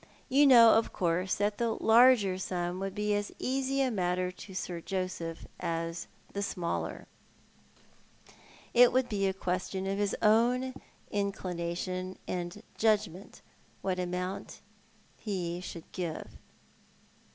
You know, of course, that the larger sum would be as easy a matter to Sir Joseph as the smaller. It would be a question of his own inclination and judgment what amount he should give."